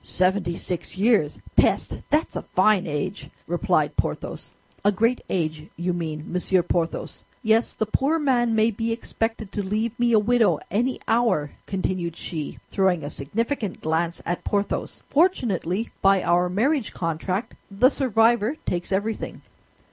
"Seventy six years! Peste! That's a fine age!" replied Porthos. "A great age, you mean, Monsieur Porthos. Yes, the poor man may be expected to leave me a widow, any hour," continued she, throwing a significant glance at Porthos. "Fortunately, by our marriage contract, the survivor takes everything."